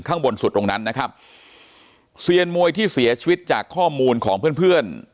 ข้างบนสุดตรงนั้นนะครับเซียนมวยที่เสียชีวิตจากข้อมูลของเพื่อนเพื่อน